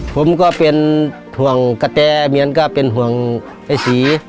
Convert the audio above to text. ผมก็เป็นห่วงกระแตเมียนก็เป็นห่วงไอ้ศรี